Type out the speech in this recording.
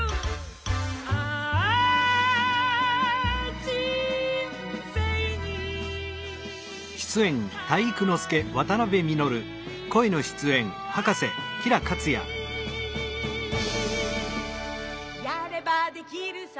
「あぁ、人生に体育あり」「やればできるさ